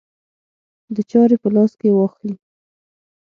د چارې په لاس کې واخلي.